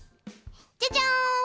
じゃじゃん！